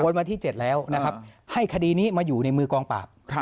วันที่๗แล้วนะครับให้คดีนี้มาอยู่ในมือกองปราบ